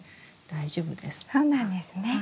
そうなんですね。